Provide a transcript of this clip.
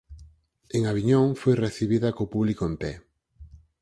En Aviñón «foi recibida co público en pé».